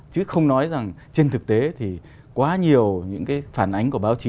chứ không nói rằng trên thực tế thì quá nhiều những cái phản ánh của báo chí